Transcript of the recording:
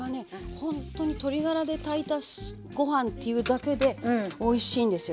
ほんとに鶏ガラで炊いたご飯っていうだけでおいしいんですよ。